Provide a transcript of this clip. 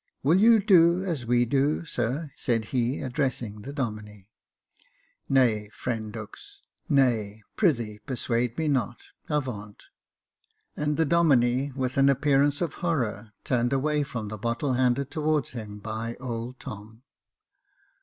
" Will you do as we do, sir ?" said he, addressing the Domine. " Nay, friend Dux, nay — pr'ythee persuade me not — avaunt !" and the Domine, with an appearance of horror, turned away from the bottle handed towards him by old Tom.